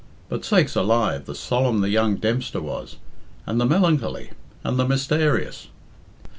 "But sakes alive! the solemn the young Dempster was! And the melancholy! And the mystarious!"